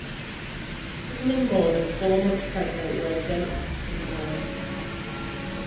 Women more than four months pregnant were exempted from work.